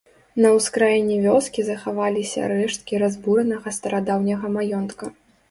На ўскраіне вёскі захаваліся рэшткі разбуранага старадаўняга маёнтка.